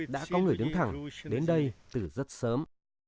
đã có người đứng thẳng đến đây từ rất sớm